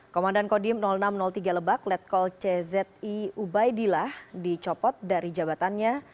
komandan kodim enam ratus tiga lebak letkol czi ubaidillah dicopot dari jabatannya